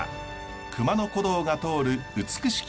熊野古道が通る美しき